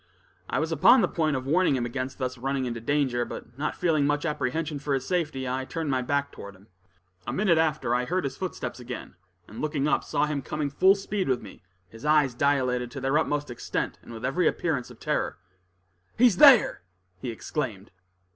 I was upon the point of warning him against thus running into danger, but not feeling much apprehension for his safety, I turned my back toward him. A minute after, I heard his footsteps again, and, looking up, saw him coming with full speed toward me, his eyes dilated to their utmost extent, and with every appearance of terror. "He's there!" he exclaimed.